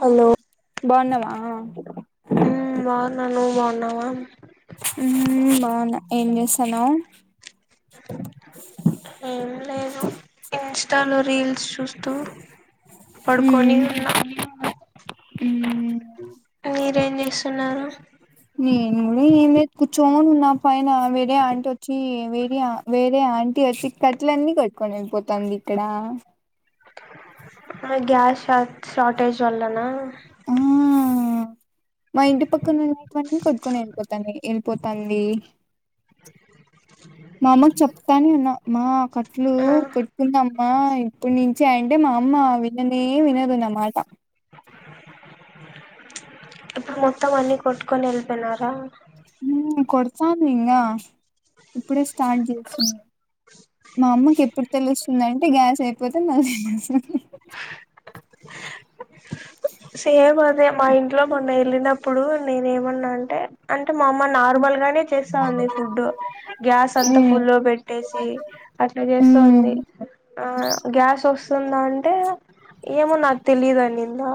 Hello బావున్నావా నువ్ బాన్నవా ఉమ్ బాగున్నా ఏం చేస్తాన్నావ్ ఏమ్ లేదు ఇన్స్టాల్ లో రీల్స్ చూస్తూ పడుకోని ఉమ్ ఉన్నా ఏం చేస్తున్నారు నెన్ గూడ ఎం లేద్ కూచొని ఉన్నాం పైన వేరే ఆంటి వచ్చి వేరే వేరే ఆంటి వచ్చి కట్టలు అన్నీ కోట్టుకొని వెళ్ళిపోతాంది ఇక్కడ గ్యాస్ షార్టేజ్ వల్ల నా ఆ మా ఇంటి పక్కన ఉన్నటువన్నీ కొట్టుకొని వెళ్ళిపోతాంది వెళ్ళిపోతాంది మా అమ్మకు చెప్తానే ఉన్నా మా కట్లు ఆ కొట్టుకుందమ్మా ఇప్పుడు నుంచి అండ్ మా అమ్మ విననే వినదు నామాట ఇప్పుడు మొత్తం అన్నిి కోట్కొని ఎల్లిపోయినరా ఊ కొడతాను ఇంగా ఇప్పుడే స్టార్ట్ చేసింది మా అమ్మకి ఎప్పుడు తెలుస్తుందంటే గ్యాస్ అయిపోతే మళ్లీ [inaudible] సేమ్ అదే మా ఇంట్లొ మొన్న లేనప్పుడు నేను ఏమన్నా అంటే అంట మా అమ్మ నార్మల్ గానే చేస్తా అంది ఫుడ్డు గ్యాస్ అంత ఫుల్లో పెట్టేసి అట్లా ఉమ్ చేస్తా ఉంది ఉమ్ ఆ గ్యాస్ వస్తే వస్తుందా అంటే ఏమో నాకు తెలియదు అనిందా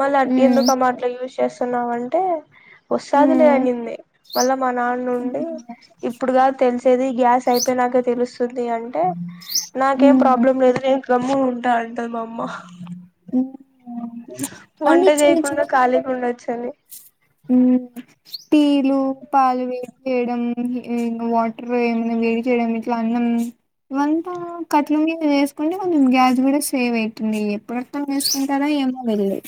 మల్ల ఎందుకమ్మ అట్లా చూసినవ్ ఎస్తున్నావంటె వస్తాదిలే ఉమ్ అనింది మల్ల మా నాన్న ఉండి ఇప్పుడు కాదు తెలిసేది గ్యాస్ అయిపోయినాక తెలుస్తుంది అంటే నాకేం ప్రాబ్లం లేదు నేను గమ్ముగా ఉంటా అంటే అ వంట చేయకుండా కాలిగా ఉండచ్చని ఉమ్ టీలు పాలు వేడి చేయడం వాటర్ ఏమైనా వేడి చేయడం ఇట్లా అన్నం ఇవంతా కట్ల మీద వేసుకుంటే కొంచెం గ్యాస్ కూడా సేవ్ అయిత న్నా ఎప్పుడూ అర్థం చేసుకుంటారో అర్థం చేకుంటారో ఏమో వెళ్లి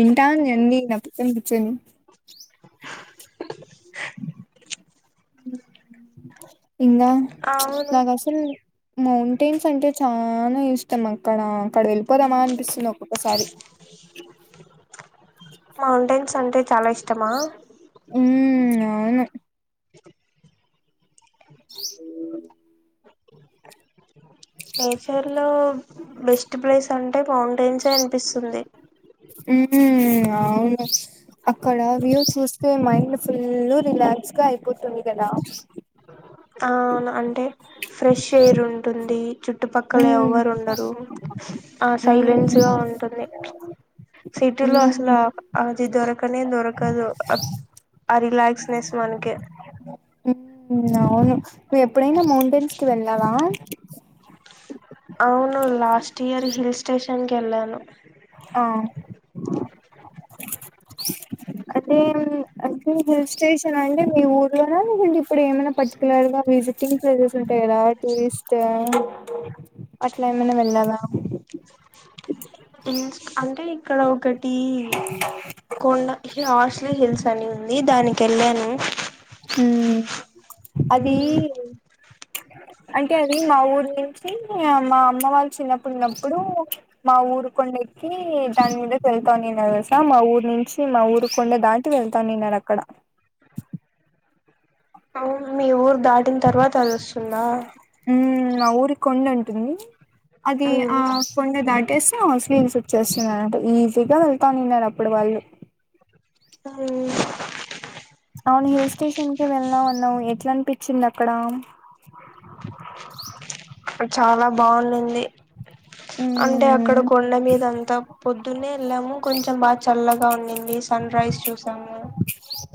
వింటాంది అన్ని నా పక్కన కు ర్చొని ఇంకా అవును నాకు అసలు మౌంటైన్స్ అంటే చానా ఇష్టం అక్కడ అక్కడ వేలి పోదామా అనిపిస్తుంది ఒక్కొక్క సారి స అంటే చాలా ఇష్టం ఇష్టమా మ్మ్ అవును అఓ నేచర్ లో బెస్ట్ ప్లేస్ అండి మౌంట్ మ్మ్ అవును అక్కడ వ్యూవ్స్ చూ మైండ్ ఫుల్ రిలాక్స్ గా అయిపోతుంది కదా అవును అంటే ఫ్రెష్ ఎయిర్ ఉంటుంది. చు చుట్టుపక్కల మ్మ్ ఎవరు ఉండరు ఆ మ్మ్ సైలెన్స్ గా ఉంటుంది. సిటీలో అసలు మ్మ్ అది దొరకనే దొరకదు ఆ రిలాక్స్నెస్ మనకి అవును నువ్వు ఎప్పుడైనా మౌంటైన్స్ కి వెళ్ళవా అవును లాస్ట్ ఇయర్ హిల్ స్టేషన్ కెళ్ళను ఆ అంటే అంటే హిల్ స్టేషన్ అంటే మీ ఊరిలోన లేకుంటే ఇప్పుడు ఏమైనా పర్టికలర్ గా విజిటింగ్ ప్లేసెస్ ఉంటాయి కదా టూరిస్ట్ అట్లా ఏమైనా వెళ్ళాలావా అంటే ఇక్కడ ఒకటి టి కొండ హాస్లీ హిల్స్ అని ఉంది. దానికి వెళ్ళాను. హు అది అంటే అది మా ఊరు నుంచి మా అమ్మ వాళ్ళు చిన్నప్పుడున్నప్పుడు మా ఊరు కొండ ఎక్కి దాని మీద వెళ్తా తన్నారు కసా మా ఊరు నుంచి మా ఊరు కొండ దాటి వెళ్తా తన్నారు అక్కడ ఊ దాటిన తర్వాత అది వస్తుందా మ్మ్ మా ఊరి కొండ ఉంటుంది. అది ఆ కొండ దాటి ట్టేసి హౌస్లీన్స్ వచ్చేస్తున్నానటు ఈజీగా వెళ్తాను ఉన్నారు అప్పుడు వాళ్ళు హు అవును హిల్ స్టేషన్ క వెళ్దాం అన్నావు ఎట్లా అనిపించింది అక్కడ చాలా బాగుంది. అంటే మ్మ్ అక్కడ కొండ మీద అంతా పొద్దునే వెళ్ళాము, కొంచెం బాగా చల్లగా ఉండింది. సన్ రైజ్ చూసాము.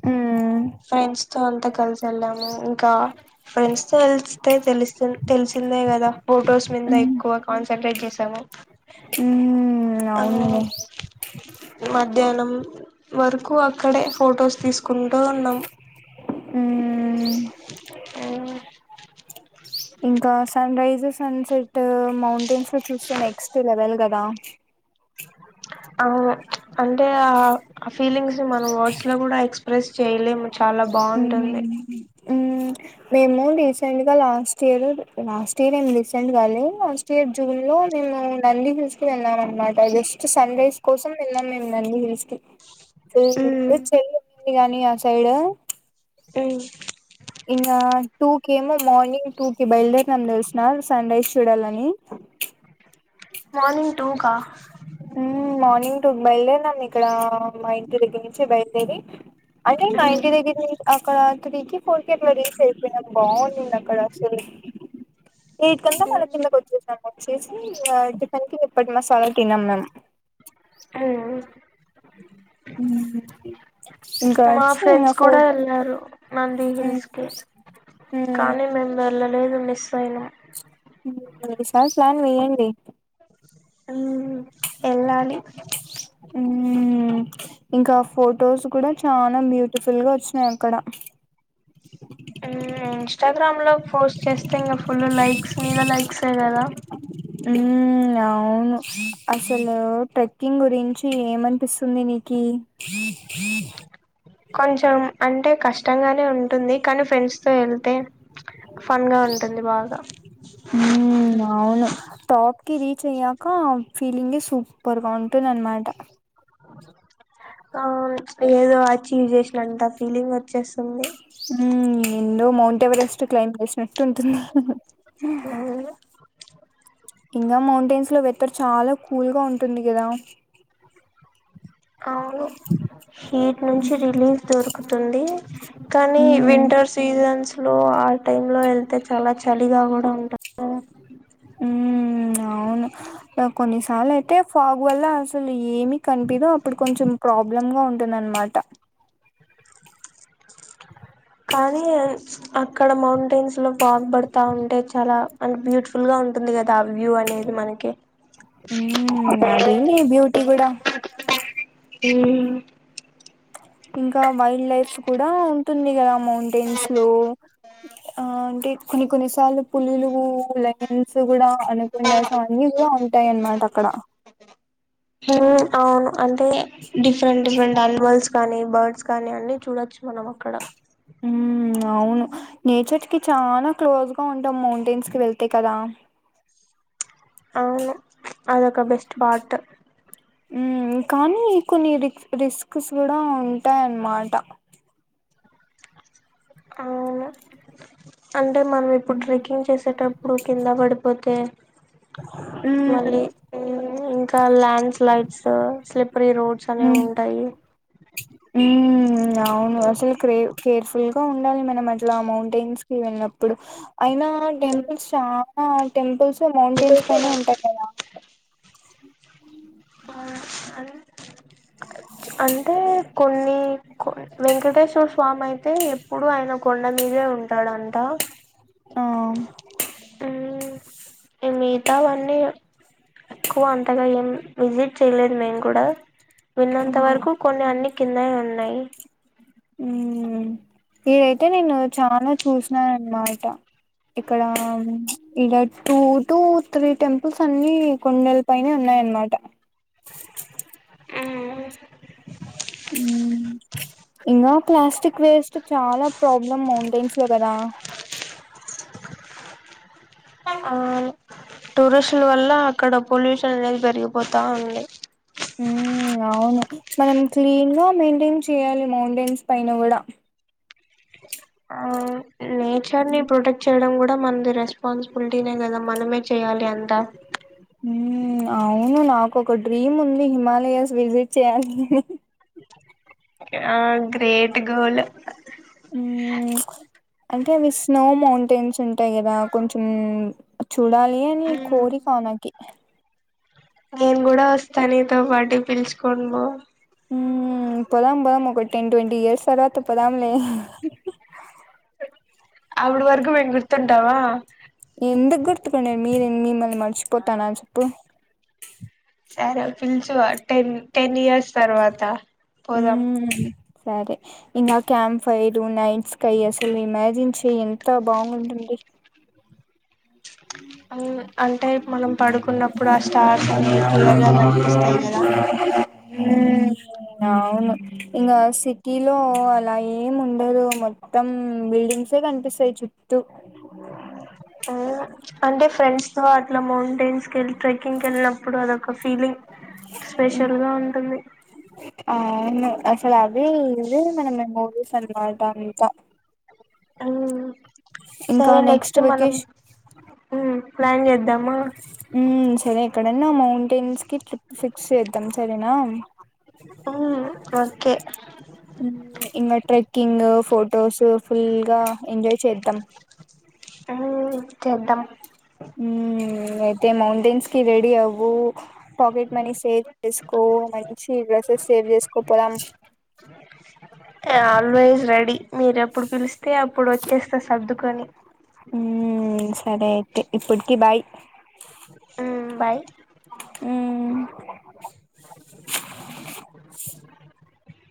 ఆ ఫ్రెండ్స్ తో అంతా కలిసి వెళ్ళాము ఇంకా ఫ్రెండ్స్ తో కలిస్తే తెలిసి తెలిసిందే కదా ఫొటోస్ మీద మ్మ్ ఎక్కువ కాన్సన్ట్రేట్ చేసాము. మ్మ్ అ అవునులే మధ్యాహ్న వరకు అక్కడే ఫొటోస్ తీసుకుంటా ఉన్నాం. మ్మ్ ఆ ఇంకా sunrise sunset mountains లో చూస్తే నెక్స్ట్ లెవెల్ కదా అవును అంటే ఆ ఫీలింగ్స్ ని మనం వర్డ్స్ లో కూడా ఎక్స్ప్రెస్ చేయలేము. చాలా బాగుంటుంది. మేము రీసెంట్గా లాస్ట్ ఇయర్ లాస్ట్ ఇయర్ ఏం హు రీసెంట్ గా లాస్ట్ ఇయర్ జూన్ లో మేము నంది హిల్స్ కి వెళ్ళాం అన్నమాట జస్ట్ సన్ రైస్ కోసం వెళ్ళాం మేము నంది హిల్స్ కి [unintelligible] ఉంది గానీ ఆ సైడ్ హు ఇంకా టూ కి ఏమో మార్నింగ్ టూ కి బయలుదేరం తెలిసిన సన్ రైస్ చూడాలని మార్నింగ్ టూకా మ్మ్ మార్నింగ్ టూ బయల్దేరినం ఇక్కడా మా ఇంటి దగ్గర నుంచి బయల్దేరి అంటే మా ఇంటి దగ్గర నుం అక్కడ త్రీకి ఫోర్కి అట్లా రీచ్ అయిపోయినా బాగుందింది అక్కడ అసలు ఎయిట్ కళ్ల మళ్ళ కిందకొచ్చేసాం చేసి టిఫిన్కి [inaudible] మసాలా తిన్నాం మేమ్ ఆ ఇంకా మా వచ్చి ఇంగ ఫ్రెండ్స్ గుడా ఫోర్ ఎళ్ళారు నంది మ్మ్ హిల్స్ కి కానీ మేము వెళ్లలేదు మిస్ అయినం ఈసారి ప్లాన్ వేయండి. ఎల్లాలి. ఇంకా ఫొటోస్ కూడా చాలా బ్యూటిఫుల్గా వచ్చినయి అక్కడ మ్ ఇన్స్టాగ్రామ్లో పోస్ట్ చేస్తే ఇంకా ఫుల్ లైక్స్ మీద లైక్సే కదా మ్ అవును అసలు ట్రెక్కింగ్ గురించి ఏమనిపిస్తుంది నీకీ కొంచెం అంటే కష్టంగానే ఉంటుంది కానీ ఫ్రెండ్స్ తో ఎళ్తే హ్ మ్ అవును టాప్ కి రీచ్ అయ్యాక ఫీలింగే సూపర్ గా ఉంటుంది అన్నమాట ఆ ఏదో అచీవ్ చేసినంత ఫీలింగ్ వచ్చేస్తుంది. హుమ్ ఏందో మౌంట్ ఎవరెస్ట్ క్లై చేసినట్టు ఉంటుంది ఆ ఇంకా మౌంటైన్స్ లో వెదర్ చాలా కూల్గా ఉంటుంది కదా అవును హీట్ నుంచి రిలీఫ్ దొరుకుతుంది కానీ ఉమ్ వింటర్ సీజన్స్ స్లో టైమ్లో వెళ్తే చాలా చలిగా కూడా ఉంటాది మ్ అవును కొన్నిసార్లయితే ఫాగ్ వల్ల అసలు ఏమి కనిపిదో అప్పుడు కొంచెం ప్రాబ్లమ్ ఉంటుందన్నమాట. కానీ అక్కడ మౌంటైన్స్ లో ఫాగ్ పడుతా ఉంటే చాలా బ్యూటిఫుల్గా ఉంటుంది కదా ఆ వ్యూ అనేది మనకి మ్ అదే ని బ్యూటిి గుడా మ్ ఇంకా వైల్డ్ లైఫ్ కూడా ఉంటుంది కదా మౌంటైన్స్లో ఆ అంటే కొన్ని కొన్నిసార్లు పులులు లయన్స్ కూడా అనుకుండా అన్ని కూడా ఉంటాయి అన్నమాట అక్కడ అవును అంటే డిఫరెంట్ డిఫరెంట్ అనిమల్స్ కానీ బర్డ్స్ కానీ అన్ని చూడొచ్చు మనం అక్కడ అవును నేచర్కి చాలా క్లోజ్గా ఉంటాం మౌంటైన్స్కి వెళ్తే కదా అవును అదొక బెస్ట్ పార్ట్ మ్ కానీ కొన్ని రిస్క్స్ కూడా ఉంటాయన్నమాట అం టే మనం ఇప్పుడు ఉమ్ ట్రెకింగ్ చేసేటప్పుడు కింద పడి పోతే మళ్ళీ ఇంకా ల్యాండ్ స్లైడ్ సొ స్లిప్ హు హు అవును అసలు క్రేవ్ కేర్ఫుల్ గా ఉండాలి మనం అట్లా మౌంటైన్స్ కి వెళ్ళినప్పుడు అయినా టెంపుల్స్ చా ఆ టెంపుల్స్ [unintelligible] మౌంటైన్స్ పైనే ఉంటాయి కదా అంటే కొన్ని వెంకటేశ్వర స్వామి అయితే ఎప్పుడు ఆయన కొండ మీదే ఉంటాడంట ఆ మిగతావన్నీ ఎక్కువ అంతగా ఏం విజిట్ చేయలేదు మేము కూడా విన్నంత వరకు కొన్ని అన్ని కిందనే ఉన్నాయి ఉమ్ ఇదైతే నేను చాలా చూసినాను అన్నమాట ఇక్కడ ఇడ టూ టూ త్రీ టెంపుల్స్ అన్ని కొండల పైనే ఉన్నాయన్నమాట ఇంకా ప్లాస్టిక్ వేస్ట్ చాలా ప్రాబ్లమ్ ఆని టూరిస్టుల వల్ల అక్కడ పొల్యూషన్ అనేది పెరిగిపోతా ఉంది మ్మ్ అవును మనం క్లీన్ గా మెయింటైన్ చేయాలి మౌంటైన్స్ పైన కూడా ఆ నేచర్ ని ప్రొటెక్ట్ చేయడం కూ [unintelligible] డా మనది రెస్పాన్సిబిలిటీనే కదా మనమే చేయాలి అంతా అవును నాకు ఒక డ్రీమ్ ఉంది హిమాలయాస్ విజిట్ చెయ్యాలి ఆ గ్రేట్ గోల్ అంటే అవి స్నో మౌం టెన్స్ ఉంటాయి కదా కొంచెం చూడాలి అని కోరిక నాకి [inaudible] నేను కూడా వస్తా నీతో పాటి పిలుచుకోనీ పో ఊమ్ పోదాం పోదాం ఒక టెన్ ట్వెంటీ ఇయర్స్ తర్వాత పోదాం లే అప్పుడు వరకు మేము గుర్తుంటామా ఎందకు గుర్తుకుని మీరె మిమ్మల్ని మంచిపోతానా చెప్పు సరే పిల్చు టెన్ టెన్ ఇయర్స్ తరువాత ఊమ్ సరే ఇంకా క్యాంప్ ఫైరు నైట్ స్కై అసలు ఇమాజిన్ చే ఎంత బాగునుంటుంది [unintelligible] అంటే మనం పడుకున్నప్పుడు ఆ స్టార్స్ అనేవి క్లియర్ గా కనిపిస్తాయి కదా అవును ఇంకా సిటీ లో అలా ఏం ఉండదు మొత్తం బిల్డింగ్సే కనిపిస్తాయి చుట్టూ ఉం అంటే ఫ్రెండ్స్ త్వాట్ [unintelligible] టెన్స్ కెళ్ళి ట్రెక్కింగ్ కెళ్ళినప్పుడు అదొక ఫీలింగ్ స్పెషల్ గా ఉంటుంది అవును అసలు అదే ఇవే మన మమోరీస్ అనమాట అంతా అ ఇంకా సరే నెక్స్ట్ మనం వెకేషన్ ఉమ్ ప్లాన్ చేద్దామా ఉమ్ ఎక్కడన్నా మౌంటైన్స్ కి ట్రిప్ ఫిక్స్ చేద్దాం సరేనా ఓకే ఇంకా ట్రెక్కింగ్ ఫొటోస్ ఫుల్గా ఎంజాయ్ చేద్ద త్తం ఆ చేద్దాం అయితే మౌంటెన్స్కి రెడి అవు పాకెట్ మనీ సేవ్ చేసుకో మంచి డ్రెస్సెస్ సేవ్ చేసుకో పోదాం ఆల్వేస్ రెడీ మీరు ఎప్పుడు పిలిస్తే అప్పుడు వచ్చేస్తా సర్దుకొని తే ఇప్పటికి బాయ్ ఉమ్ బాయ్ మ్మ్ [unintelligible]